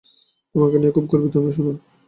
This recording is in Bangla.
তোমাকে নিয়ে খুব গর্বিত আমি, সোনা।